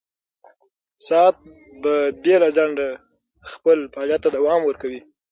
ساعت به بې له ځنډه خپل فعالیت ته دوام ورکوي.